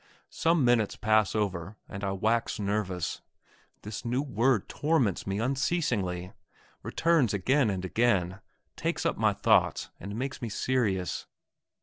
Some minutes pass over, and I wax nervous; this new word torments me unceasingly, returns again and again, takes up my thoughts, and makes me serious.